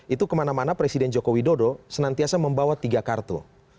itu kemana mana presiden joko widodo senantiasa membawa tiga kartu